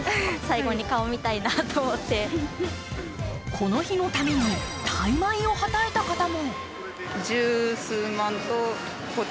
この日のために大枚をはたいた方も。